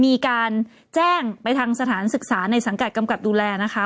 มีการแจ้งไปทางสถานศึกษาในสังกัดกำกับดูแลนะคะ